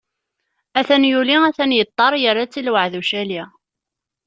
Atan yuli, atan yeṭṭer, yerra-tt i lweɛd ucali.